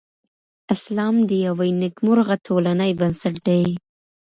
اسلام د یوې نېکمرغه ټولنې بنسټ دی.